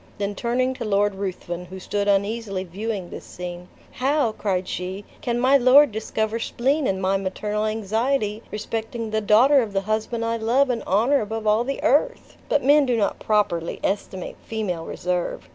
Then turning to Lord Ruthven, who stood uneasily viewing this scene, "How," cried she, "can my lord discover spleen in my maternal anxiety respecting the daughter of the husband I love and honor above all the earth? But men do not properly estimate female reserve.